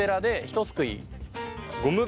ひとすくい。